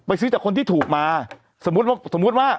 ไปซื้อจากคนที่ถูกมาสมมุติว่า